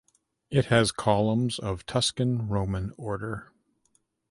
It has columns of Tuscan Roman order.